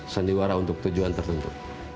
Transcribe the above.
sendiwara untuk tujuan tertentu